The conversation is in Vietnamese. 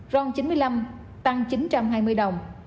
ron chín mươi năm tăng chín trăm hai mươi đồng